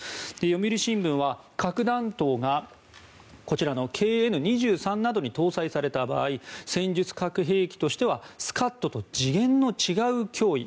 読売新聞は、核弾頭がこちらのＫＮ２３などに搭載された場合戦術核兵器としてはスカッドと次元の違う脅威